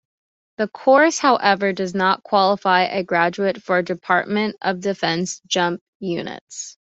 The course, however, does not qualify a graduate for Department of Defense jump units.